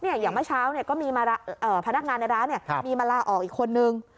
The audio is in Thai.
อย่างเมื่อเช้าก็มีพนักงานในร้านมีมาลาออกอีกคนนึง